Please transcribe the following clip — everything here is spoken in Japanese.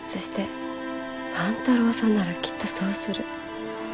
万太郎さんならきっとそうする。